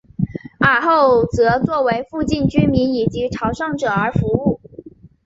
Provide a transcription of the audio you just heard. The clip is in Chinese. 尔后则作为附近居民以及朝圣者而服务。